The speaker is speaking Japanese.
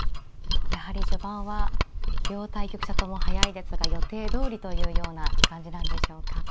やはり序盤は両対局者とも速いですが予定どおりというような感じなんでしょうか。